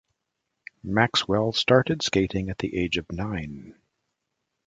Maxwell started skating at the age of nine.